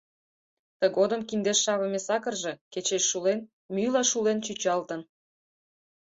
Тыгодым киндеш шавыме сакырже, кечеш шулен, мӱйла шулен чӱчалтын.